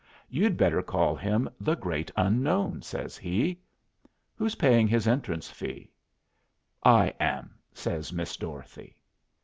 You'd better call him the 'Great Unknown,'" says he. "Who's paying his entrance fee?" "I am," says Miss Dorothy.